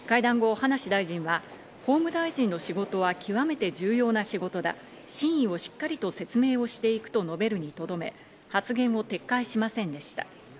会談後、葉梨大臣は法務大臣の仕事は極めて重要な仕事だ、真意をしっかりと説明していくと述べるにとどめ、発言を撤回しませんでした。